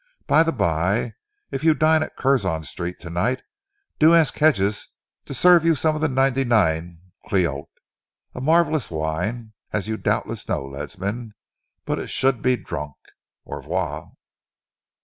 "By the bye, if you dine at Curzon Street to night, do ask Hedges to serve you some of the '99 Cliquot. A marvellous wine, as you doubtless know, Ledsam, but it should be drunk. Au revoir!"